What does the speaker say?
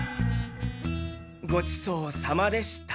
ごちそうさまでした。